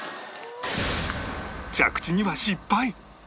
着地には失敗